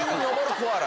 コアラ！